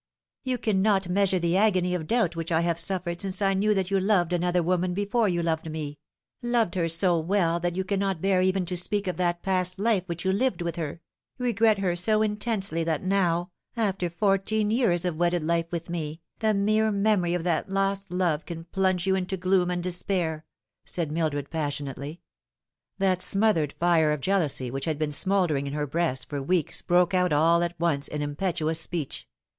"You cannot measure the agony of doubt which I have suffered since I knew that you loved another woman before you loved me loved her so well that you cannot bear even to speat of that past life which you lived with her regret her so in tensely that now, after fourteen years of wedded life with me, the mere memory of that lost love can plunge you into gloom and despair," said Mildred passionately. That smothered fire of jealousy which had been smouldering in her breast for weeks broke out all at once in impetuous speech.